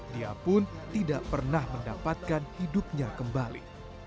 dia pun tidak pernah mendapatkan hidupnya kembali